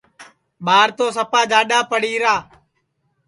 ٻار تو سپا جاڈؔا پڑی را